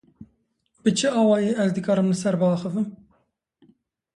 Bi çi awayî, ez dikarim li ser biaxivim ?